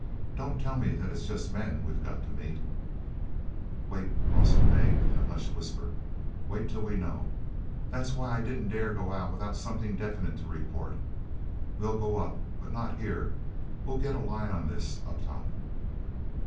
Don't tell me that it's just men we've got to meet—" "Wait," Rawson begged in a hushed whisper. "Wait till we know. That's why I didn't dare go out without something definite to report. We'll go up—but not here. We'll get a line on this up top."